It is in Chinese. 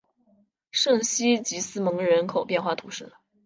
圣西吉斯蒙人口变化图示